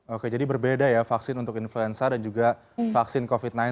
oke jadi berbeda ya vaksin untuk influenza dan juga vaksin covid sembilan belas